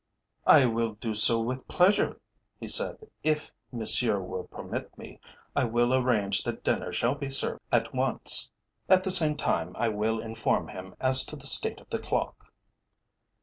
"I will do so with pleasure," he said. "If Monsieur will permit me, I will arrange that dinner shall be served at once; at the same time I will inform him as to the state of the clock."